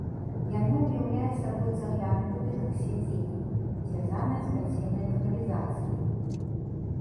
Яно уяўляе сабой цагляны будынак з сядзеннем, звязанае з падземнай каналізацыяй.